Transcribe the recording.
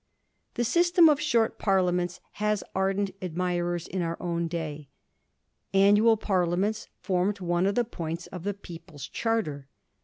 The system of short parliaments has ardent ad mirers in our own day. 'Annual Parliaments ' formed one of the points of the People's Charter.